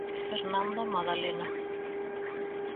Fernanda Madaleno.